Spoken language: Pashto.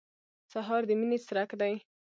سهار د مینې څرک دی.